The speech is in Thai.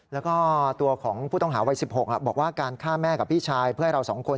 แล้วก็ตัวของผู้ต้องหาวัย๑๖บอกว่าการฆ่าแม่กับพี่ชายเพื่อนเราสองคน